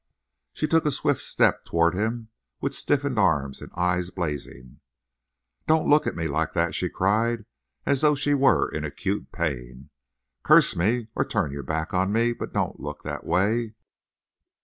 She took a swift step toward him, with stiffened arms and eyes blazing. "Don't look at me like that!" she cried, as though she were in acute pain. "Curse me, or turn your back on me, but don't look that way.